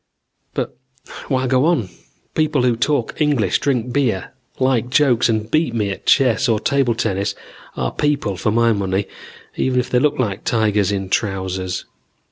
"But why go on? People who talk English, drink beer, like jokes and beat me at chess or table tennis are people for my money, even if they look like tigers in trousers.